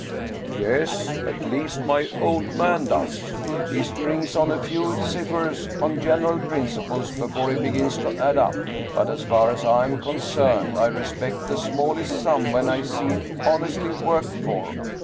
" Yes, at least my old man does. He strings on a few ciphers on general principles before he begins to add up. But as far as I'm concerned, I respect the smallest sum when I see it's honestly worked for.